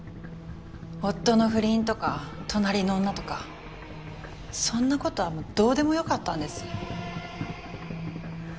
夫の不倫とか隣の女とかそんな事はもうどうでも良かったんです。